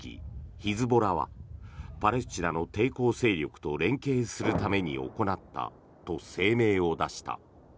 ヒズボラはパレスチナの抵抗勢力と連携するために行ったと声明を出した。